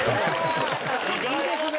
いいですね！